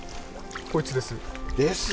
こいつです。です。